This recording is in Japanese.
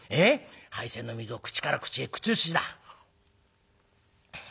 杯洗の水を口から口へ口移しだ」。